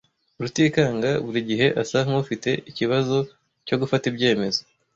Rutikanga buri gihe asa nkufite ikibazo cyo gufata ibyemezo.